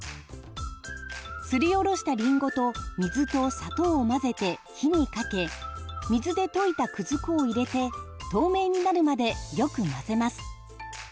すりおろしたりんごと水と砂糖を混ぜて火にかけ水で溶いたくず粉を入れて透明になるまでよく混ぜます。